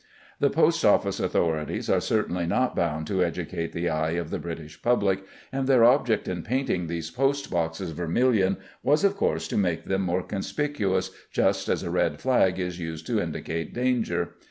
The post office authorities are certainly not bound to educate the eye of the British public, and their object in painting these post boxes vermilion was of course to make them more conspicuous, just as a red flag is used to indicate danger.